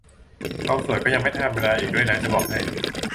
ความสวยก็ยังไม่ธรรมดาอีกด้วยนะจะบอกให้